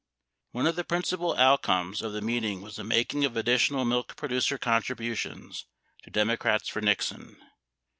00 One of the principal outcomes of the meeting was the making of additional milk producer contributions to Democrats for Nixon.